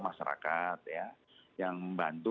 masyarakat yang membantu